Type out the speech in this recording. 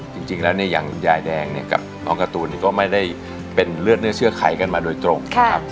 จริงแล้วอย่างยายแดงกับน้องการ์ตูนก็ไม่ได้เป็นเลือดเนื้อเสื้อไข่กันมาโดยตรง